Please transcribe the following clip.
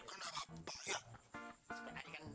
sekarang kan perlu disayang gitu kak semin